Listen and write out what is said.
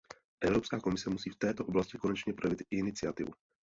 Evropská komise musí v této oblasti konečně projevit iniciativu.